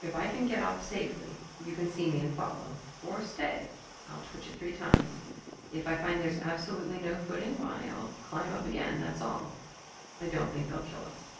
If I can get off safely, you can see me and follow or, say, I'll twitch it three times. If I find there's absolutely no footing why I'll climb up again, that's all. I don't think they'll kill us."